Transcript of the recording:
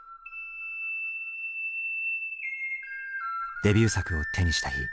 デビュー作を手にした日。